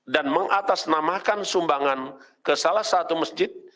mengatasnamakan sumbangan ke salah satu masjid